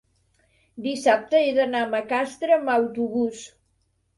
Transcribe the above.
Dissabte he d'anar a Macastre amb autobús.